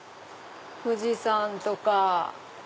富士山とか。